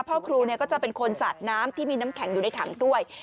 พ่อครูก็จะเป็นคนสาดน้ำที่มีน้ำแข็งอยู่ในถังด้วย